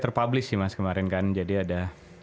terpublish sih mas kemarin kan jadi ada